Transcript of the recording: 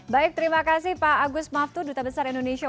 baik terima kasih pak agus maftu duta besar indonesia